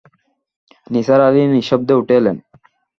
নিসার আলি নিঃশব্দে উঠে এলেন।